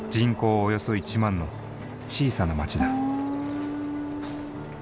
およそ１万の小さな町だ。